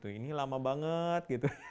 ini lama banget